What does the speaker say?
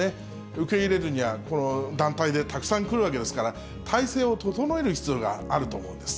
受け入れるにはこの、団体でたくさん来るわけですから、態勢を整える必要があると思うんです。